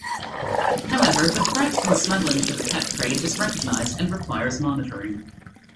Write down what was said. However, the threat from smuggling for the pet trade was recognised and requires monitoring.